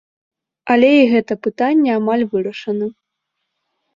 Але і гэта пытанне амаль вырашана.